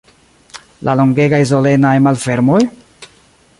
La longegaj solenaj malfermoj?